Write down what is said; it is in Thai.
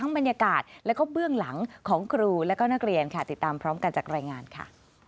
บรรยากาศแล้วก็เบื้องหลังของครูและก็นักเรียนค่ะติดตามพร้อมกันจากรายงานค่ะ